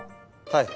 はい。